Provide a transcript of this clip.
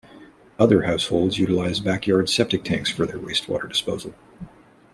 Other households utilize backyard septic tanks for their wastewater disposal.